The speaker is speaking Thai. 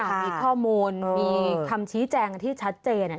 มีข้อมูลมีคำชี้แจงที่ชัดเจน